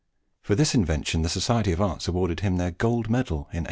For this invention the Society of Arts awarded him their gold medal in 1818.